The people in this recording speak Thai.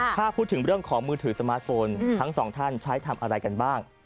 ถ้าพูดถึงเรื่องของมือถือสมาร์ทโฟนทั้งสองท่านใช้ทำอะไรกันบ้าง